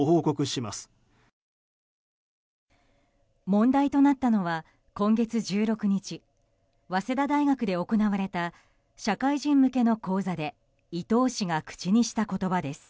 問題となったのは今月１６日早稲田大学で行われた社会人向けの講座で伊東氏が口にした言葉です。